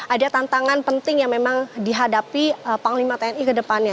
ada tantangan penting yang memang dihadapi panglima tni kedepannya